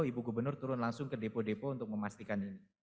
ibu gubernur turun langsung ke depo depo untuk memastikan ini